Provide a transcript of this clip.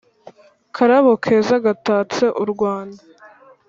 Karabo keza gatatse u Rwanda